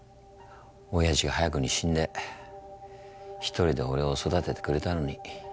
おやじが早くに死んで１人で俺を育ててくれたのに。